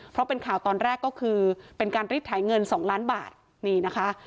เพราะเป็นข่าวตอนแรกก็คือเป็นการรีดถ่ายเงิน๒ล้านบาทนี่นะคะ